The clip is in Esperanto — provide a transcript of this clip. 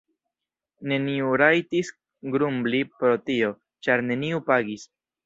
Neniu rajtis grumbli pro tio, ĉar neniu pagis.